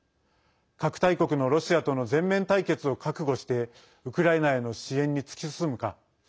核大国のロシアとの全面対決を覚悟してウクライナへの支援に突き進むか。